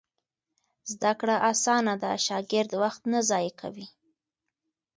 زده کړه اسانه ده، شاګرد وخت نه ضایع کوي.